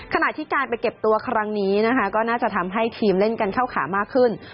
ขณะที่การไปเก็บตัวครั้งนี้นะคะก็น่าจะทำให้ทีมเล่นกันเข้าขามากขึ้น